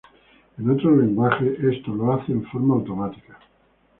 En otros lenguajes esto se lo hace en forma automática.